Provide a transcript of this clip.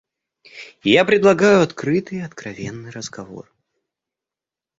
Я предлагаю открытый и откровенный разговор.